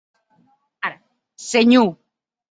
Senhor!